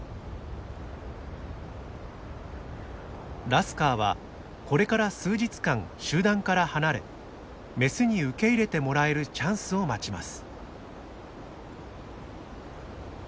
ラスカーはこれから数日間集団から離れメスに受け入れてもらえるチャンスを待ちます。